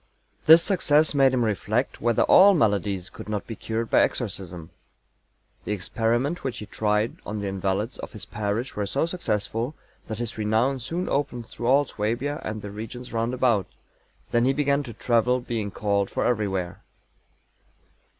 "This success made him reflect whether all maladies could not be cured by exorcism ... The experiment which he tried on the invalids of his parish were so successful that his renown soon opened through all Suabia, and the regions roundabout. Then he began to travel, being called for everywhere."